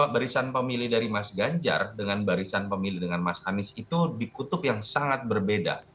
barisan pemilih dari mas ganjar dengan barisan pemilih dengan mas anies itu dikutuk yang sangat berbeda